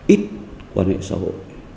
ít quan hệ xã hội